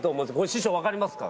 師匠分かりますか？